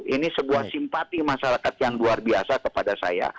ini sebuah simpati masyarakat yang luar biasa kepada saya